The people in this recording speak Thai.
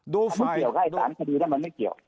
ไม่เกี่ยวใช่แน่ความคิดด้วยถ้ามันไม่เกี่ยว